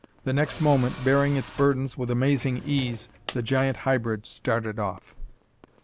The next moment, bearing its burdens with amazing ease, the giant hybrid started off.